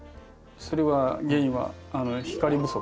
それは原因は光不足で。